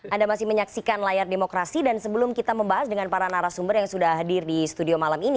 anda masih menyaksikan layar demokrasi dan sebelum kita membahas dengan para narasumber yang sudah hadir di studio malam ini